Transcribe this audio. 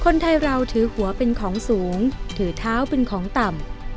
คนไทยเราถือหัวเป็นของสูงถือเท้าเป็นของต่ำ